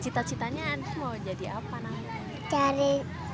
cita citanya mau jadi apa nanti